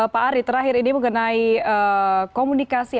pak ari terakhir ini mengenai komunikasi